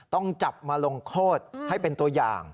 ต้องจับมาลงโทษให้เป็นตัวอย่าง